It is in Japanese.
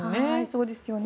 そうですね。